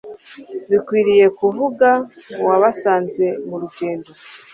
Bakwiriye kuvuga uwabasanze mu rugendo.